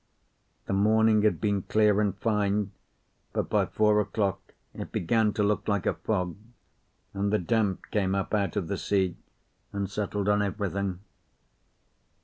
The morning had been clear and fine, but by four o'clock it began to look like a fog, and the damp came up out of the sea and settled on everything.